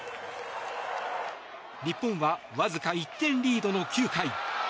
日本はわずか１点リードの９回。